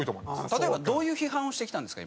例えばどういう批判をしてきたんですか？